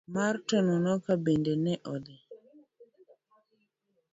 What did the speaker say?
mar Tononoka bende ne odhi.